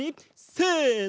せの。